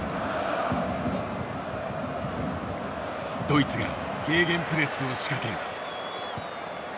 ドイツがゲーゲンプレスを仕掛ける。